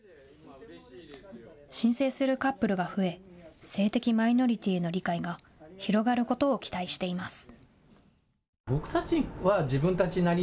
申請するカップルが増え性的マイノリティーへの理解が広がることを期待しています。